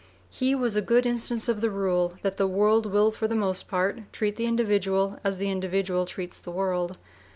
He was a good instance of the rule that the world will for the most part treat the individual as the individual treats the world.